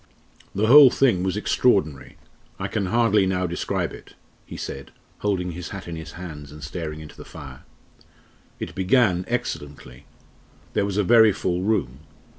"The whole thing was extraordinary I can hardly now describe it," he said, holding his hat in his hands and staring into the fire. "It began excellently. There was a very full room.